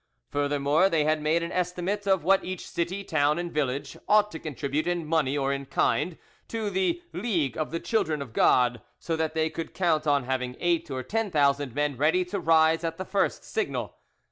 Furthermore, they had made an estimate of what each city, town, and village ought to contribute in money or in kind to the—League of the Children of God, so that they could count on having eight or ten thousand men ready to rise at the first signal.